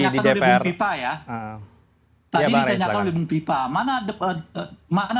jadi ditanyakan oleh bung pipa ya